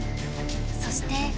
そして。